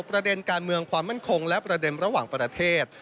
ประเด็นการเมืองความมั่นคงและประเด็นระหว่างประเทศ